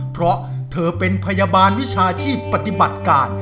เพราะเธอเป็นพยาบาลวิชาชีพปฏิบัติการ